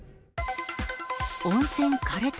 温泉かれた？